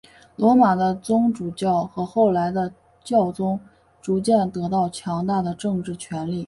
罗马的宗主教和后来的教宗逐渐得到强大的政治权力。